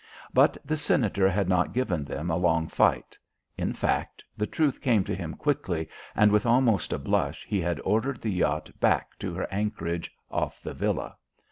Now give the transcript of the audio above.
But the Senator had not given them a long fight. In fact, the truth came to him quickly, and with almost a blush he had ordered the yacht back to her anchorage off the villa.